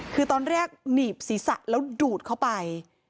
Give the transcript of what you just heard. คือตอนแรกหนีบศีรษะแล้วดูดเข้าไป